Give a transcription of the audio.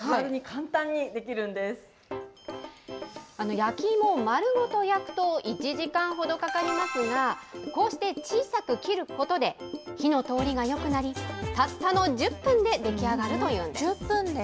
焼き芋を丸ごと焼くと１時間ほどかかりますが、こうして小さく切ることで、火の通りがよくなり、たったの１０分で出来上がるというんです。